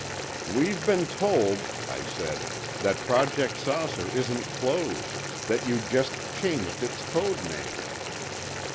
"We've been told," I said, "that Project 'Saucer' isn't closed—that you just changed its code name."